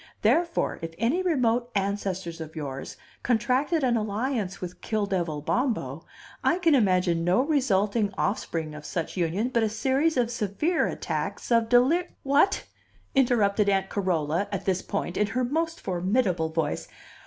Therefore if any remote ancestors of yours contracted an alliance with Kill devil Bombo, I can imagine no resulting offspring of such union but a series of severe attacks of delir " "What?" interrupted Aunt Carola, at this point, in her most formidable voice.